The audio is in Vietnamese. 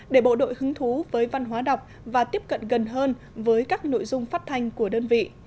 để bộ đội hứng thú với văn hóa đọc và tiếp cận gần hơn với các nội dung phát thanh của đơn vị